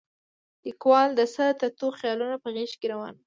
لیکوال د څه تتو خیالونه په غېږ کې راون و.